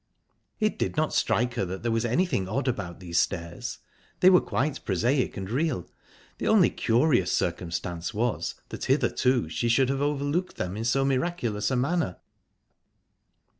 It did not strike her that there was anything odd about these stairs; they were quite prosaic and real; the only curious circumstance was that hitherto she should have overlooked them in so miraculous a manner.